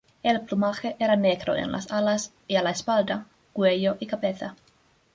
El plumaje era negro en las alas y la espalda, cuello y cabeza.